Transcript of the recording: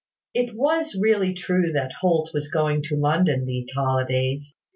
It was really true that Holt was going to London these holidays.